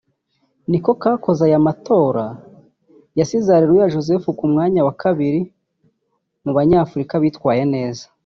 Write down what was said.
niko kakoze aya matora yasize AreruyaJoseph ku mwanya wa kabiri mu banyafurika bitwaye neza